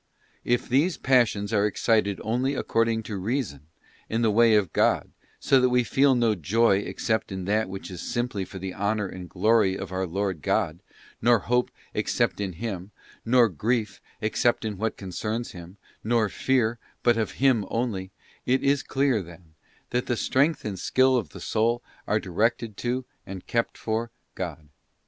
If these passions are excited only according to Reason, in the way of God, so that we feel no joy except in that which is simply for the honour and glory of our Lord God, nor hope except in Him, nor grief except in what concerns Him, nor fear but of Him only, it is clear, then, that the strength and skill of the soul are directed to, and kept for, God.